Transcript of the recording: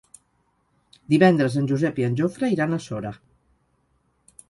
Divendres en Josep i en Jofre iran a Sora.